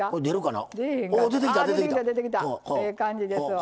出てきた、ええ感じです。